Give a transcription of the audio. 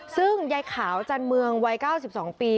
ซึ่งยายขาวจันเมืองวัย๙๒ปี